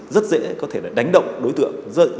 rất dễ đánh động đối tượng